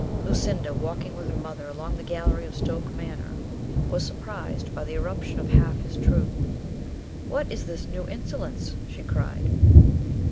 Lucinda, walking with her mother along the gallery of Stoke Manor, was surprised by the irruption of half his troop. "What is this new insolence?" she cried.